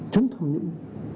chúng tham nhũng